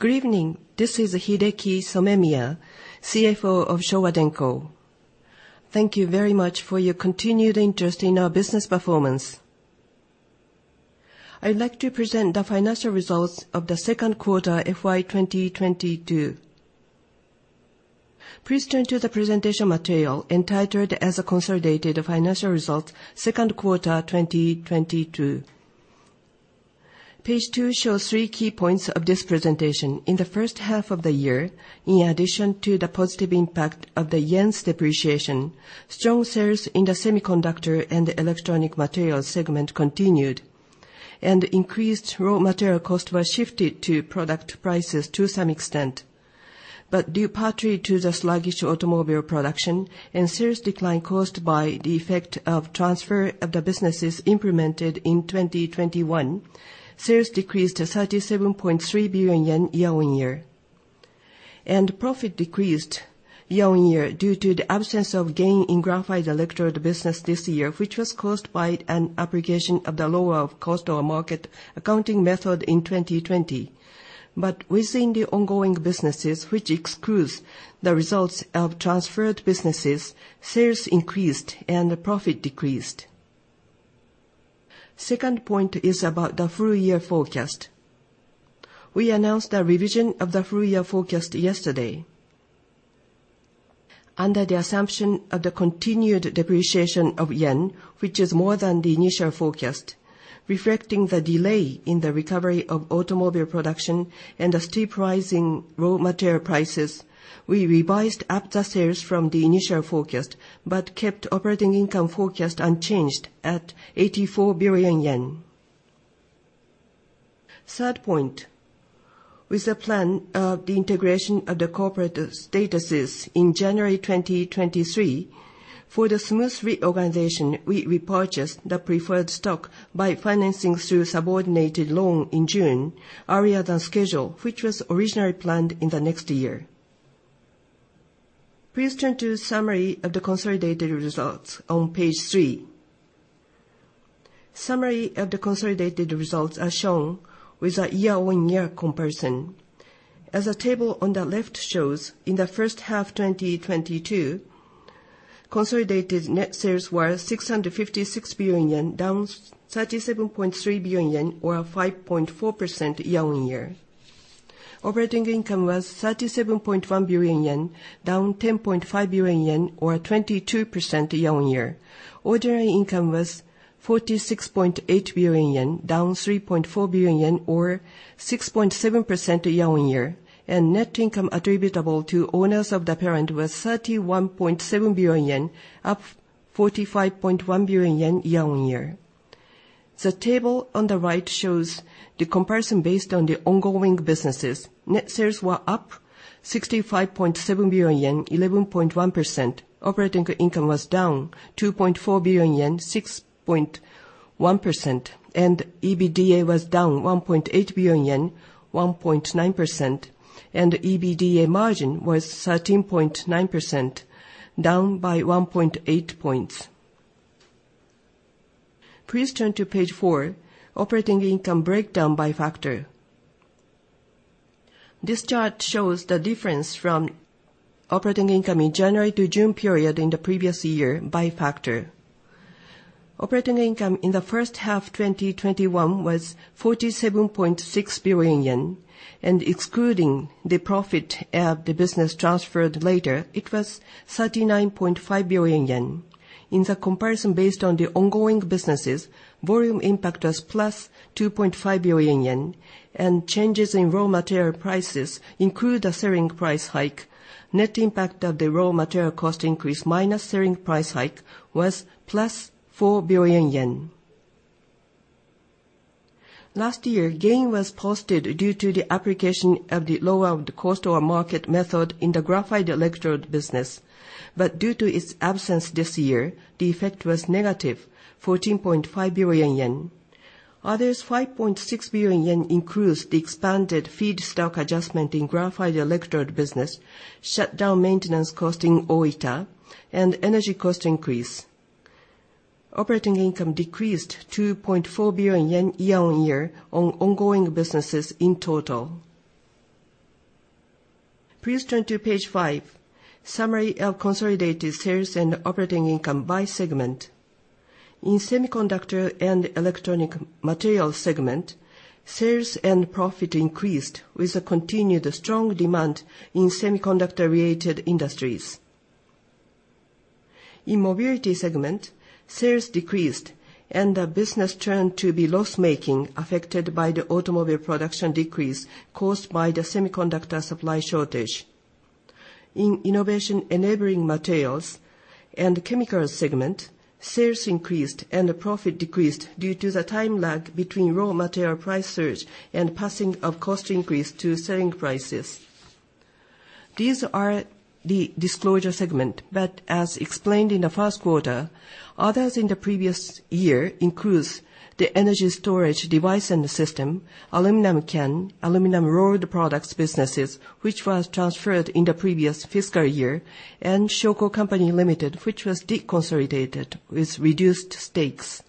Good evening. This is Hideki Somemiya, CFO of Showa Denko. Thank you very much for your continued interest in our business performance. I'd like to present the financial results of the second quarter FY 2022. Please turn to the presentation material entitled as a consolidated financial result, second quarter 2022. Page two shows three key points of this presentation. In the first half of the year, in addition to the positive impact of the yen's depreciation, strong sales in the Semiconductor and Electronic Materials segment continued, increased raw material cost was shifted to product prices to some extent. Due partly to the sluggish automobile production and sales decline caused by the effect of transfer of the businesses implemented in 2021, sales decreased to 37.3 billion yen year-on-year. Profit decreased year-on-year due to the absence of gain in graphite electrode business this year, which was caused by an application of the lower of cost or market accounting method in 2020. Within the ongoing businesses, which excludes the results of transferred businesses, sales increased and profit decreased. Second point is about the full-year forecast. We announced a revision of the full-year forecast yesterday. Under the assumption of the continued depreciation of yen, which is more than the initial forecast, reflecting the delay in the recovery of automobile production and the steep rise in raw material prices, we revised up the sales from the initial forecast, but kept operating income forecast unchanged at 84 billion yen. Third point, with the plan of the integration of the corporate statuses in January 2023. For the smooth reorganization, we purchased the preferred stock by financing through subordinated loan in June, earlier than scheduled, which was originally planned in the next year. Please turn to summary of the consolidated results on page three. Summary of the consolidated results are shown with a year-on-year comparison. As the table on the left shows, in the first half 2022, consolidated net sales were 656 billion yen, down 37.3 billion yen, or 5.4% year-on-year. Operating income was 37.1 billion yen, down 10.5 billion yen or 22% year-on-year. Ordinary income was 46.8 billion yen, down 3.4 billion yen or 6.7% year-on-year. Net income attributable to owners of the parent was 31.7 billion yen, up 45.1 billion yen year-on-year. The table on the right shows the comparison based on the ongoing businesses. Net sales were up 65.7 billion yen, 11.1%. Operating income was down 2.4 billion yen, 6.1%. EBITDA was down 1.8 billion yen, 1.9%. EBITDA margin was 13.9%, down by 1.8 points. Please turn to page four, operating income breakdown by factor. This chart shows the difference from operating income in January to June period in the previous year by factor. Operating income in the first half 2021 was 47.6 billion yen, and excluding the profit of the business transferred later, it was 39.5 billion yen. In the comparison based on the ongoing businesses, volume impact was plus 2.5 billion yen and changes in raw material prices include a selling price hike. Net impact of the raw material cost increase minus selling price hike was plus 4 billion yen. Last year, gain was posted due to the application of the lower of cost or market method in the graphite electrode business. Due to its absence this year, the effect was negative, 14.5 billion yen. Others, 5.6 billion yen includes the expanded feedstock adjustment in graphite electrode business, shut down maintenance cost in Ōita, and energy cost increase. Operating income decreased 2.4 billion yen year-on-year on ongoing businesses in total. Please turn to page five, summary of consolidated sales and operating income by segment. In Semiconductor and Electronic Materials segment, sales and profit increased with a continued strong demand in semiconductor-related industries. In Mobility segment, sales decreased and the business turned to be loss-making, affected by the automobile production decrease caused by the semiconductor supply shortage. In Innovation Enabling Materials and Chemicals segment, sales increased and the profit decreased due to the time lag between raw material price surge and passing of cost increase to selling prices. These are the disclosure segment, as explained in the first quarter, others in the previous year includes the energy storage device and system, aluminum can, aluminum rolled products businesses, which was transferred in the previous fiscal year, and Shoko Co., Ltd., which was deconsolidated with reduced stakes.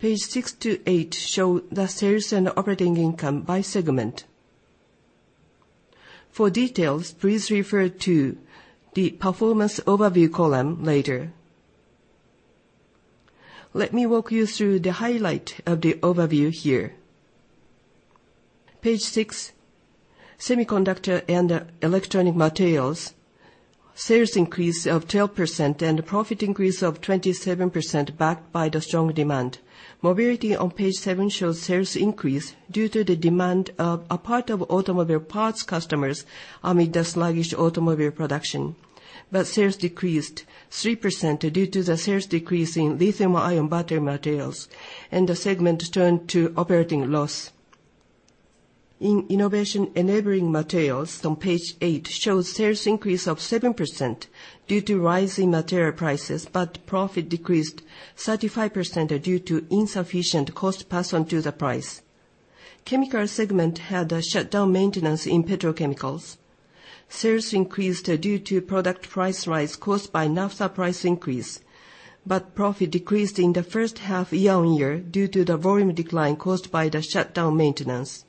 Page six to eight show the sales and operating income by segment. For details, please refer to the performance overview column later. Let me walk you through the highlight of the overview here. Page six, Semiconductor and Electronic Materials, sales increase of 12% and profit increase of 27%, backed by the strong demand. Mobility on page seven shows sales increase due to the demand of a part of automobile parts customers amid the sluggish automobile production. Sales decreased 3% due to the sales decrease in Lithium-ion battery Materials, and the segment turned to operating loss. In Innovation Enabling Materials on page eight shows sales increase of 7% due to rise in material prices, profit decreased 35% due to insufficient cost pass on to the price. Chemicals segment had a shutdown maintenance in petrochemicals. Sales increased due to product price rise caused by naphtha price increase. Profit decreased in the first half year-on-year due to the volume decline caused by the shutdown maintenance.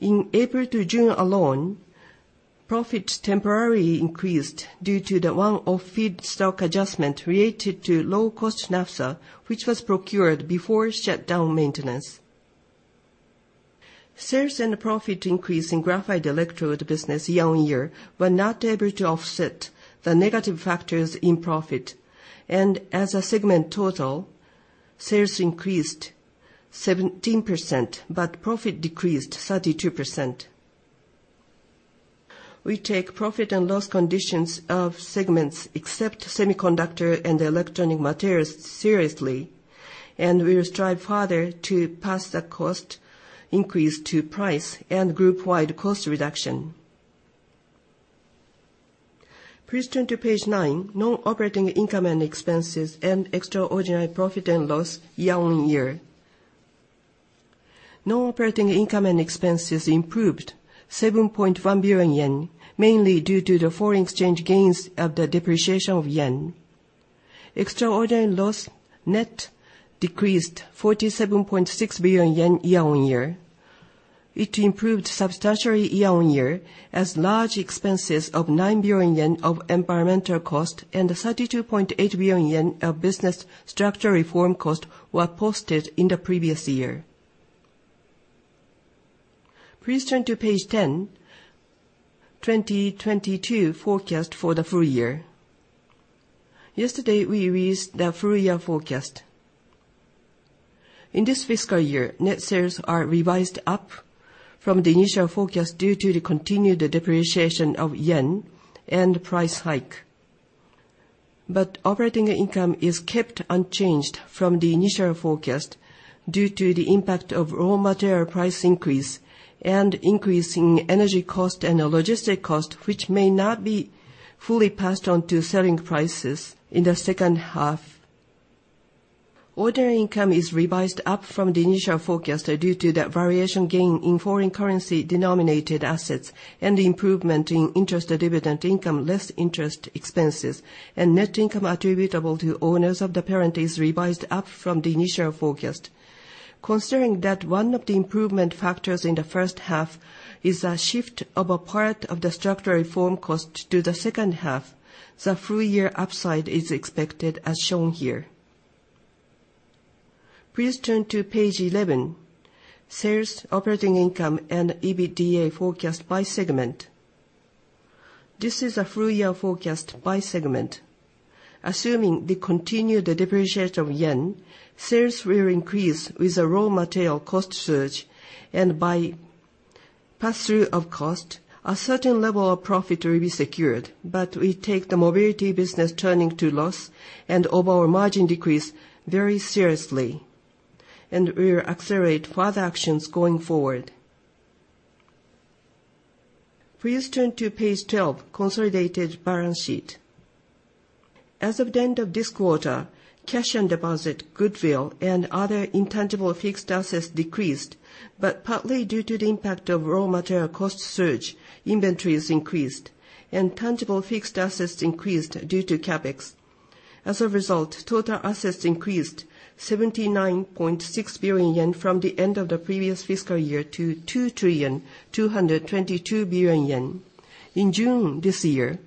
In April to June alone, profit temporarily increased due to the one-off feedstock adjustment related to low cost naphtha, which was procured before shutdown maintenance. Sales and profit increase in graphite electrode business year-on-year were not able to offset the negative factors in profit. As a segment total, sales increased 17%, profit decreased 32%. We take profit and loss conditions of segments, except Semiconductor and Electronic Materials, seriously, we will strive farther to pass the cost increase to price and group-wide cost reduction. Please turn to page nine, non-operating income and expenses and extraordinary profit and loss year-on-year. Non-operating income and expenses improved 7.1 billion yen, mainly due to the foreign exchange gains of the depreciation of yen. Extraordinary loss net decreased 47.6 billion yen year-on-year. It improved substantially year-on-year as large expenses of 9 billion yen of environmental cost and 32.8 billion yen of business structure reform cost were posted in the previous year. Please turn to page 10, 2022 forecast for the full year. Yesterday, we released the full year forecast. In this fiscal year, net sales are revised up from the initial forecast due to the continued depreciation of yen and price hike. Operating income is kept unchanged from the initial forecast due to the impact of raw material price increase and increase in energy cost and logistic cost, which may not be fully passed on to selling prices in the second half. Ordinary income is revised up from the initial forecast due to the valuation gain in foreign currency denominated assets and improvement in interest and dividend income, less interest expenses, and net income attributable to owners of the parent is revised up from the initial forecast. Considering that one of the improvement factors in the first half is a shift of a part of the structural reform cost to the second half, the full year upside is expected as shown here. Please turn to page 11, sales, operating income, and EBITDA forecast by segment. This is a full year forecast by segment. Assuming the continued depreciation of yen, sales will increase with a raw material cost surge, and by pass-through of cost, a certain level of profit will be secured. We take the Mobility business turning to loss and overall margin decrease very seriously, and we will accelerate further actions going forward. Please turn to page 12, consolidated balance sheet. As of the end of this quarter, cash and deposit, goodwill, and other intangible fixed assets decreased. Partly due to the impact of raw material cost surge, inventories increased, and tangible fixed assets increased due to CapEx. As a result, total assets increased 79.6 billion yen from the end of the previous fiscal year to 2,222 billion yen. In June this year,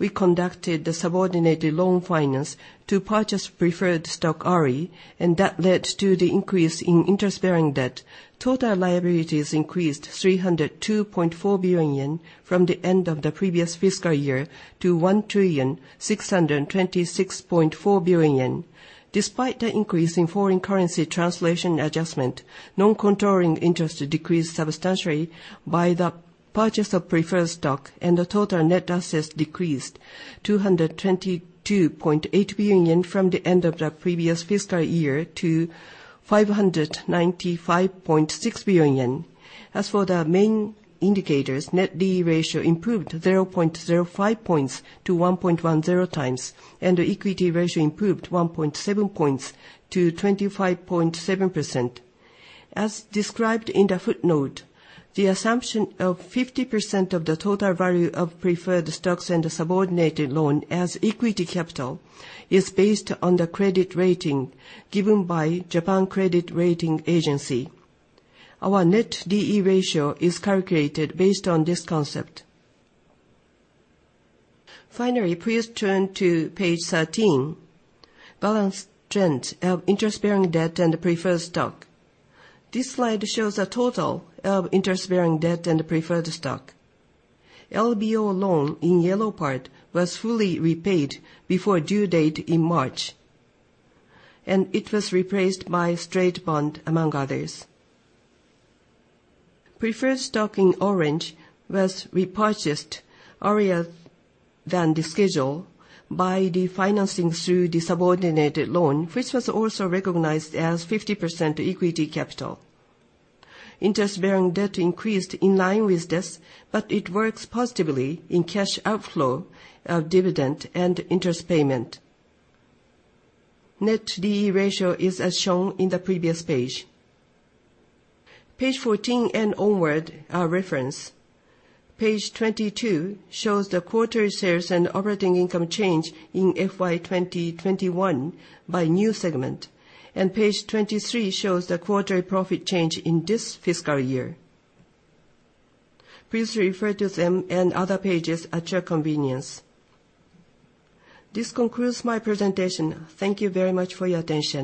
we conducted the subordinated loan finance to purchase preferred stock RE, and that led to the increase in interest-bearing debt. Total liabilities increased 302.4 billion yen from the end of the previous fiscal year to 1,626.4 billion yen. Despite the increase in foreign currency translation adjustment, non-controlling interest decreased substantially by the purchase of preferred stock, and the total net assets decreased 222.8 billion from the end of the previous fiscal year to 595.6 billion. As for the main indicators, net D/E ratio improved 0.05 points to 1.10 times, and the equity ratio improved 1.7 points to 25.7%. As described in the footnote, the assumption of 50% of the total value of preferred stocks and subordinated loan as equity capital is based on the credit rating given by Japan Credit Rating Agency. Our net D/E ratio is calculated based on this concept. Finally, please turn to page 13, balance trends of interest-bearing debt and preferred stock. This slide shows a total of interest-bearing debt and preferred stock. LBO loan in yellow part was fully repaid before due date in March, and it was replaced by straight bond, among others. Preferred stock in orange was repurchased earlier than the schedule by the financing through the subordinated loan, which was also recognized as 50% equity capital. Interest-bearing debt increased in line with this, it works positively in cash outflow of dividend and interest payment. Net D/E ratio is as shown in the previous page. Page 14 and onward are reference. Page 22 shows the quarterly sales and operating income change in FY 2021 by new segment. Page 23 shows the quarterly profit change in this fiscal year. Please refer to them and other pages at your convenience. This concludes my presentation. Thank you very much for your attention.